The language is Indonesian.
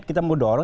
kita mau dorong